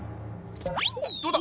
どうだ？